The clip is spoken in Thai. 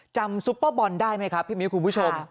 ซุปเปอร์บอลได้ไหมครับพี่มิ้วคุณผู้ชม